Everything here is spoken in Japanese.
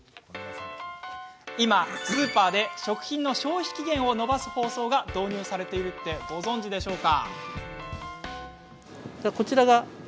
今、スーパーで食品の消費期限を延ばす包装が導入されているってご存じですか？